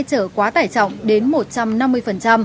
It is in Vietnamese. trải quá tải có tiền chứ